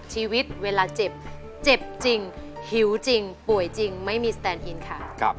ชีวิตเวลาเจ็บเจ็บจริงหิวจริงป่วยจริงไม่มีสแตนอินค่ะ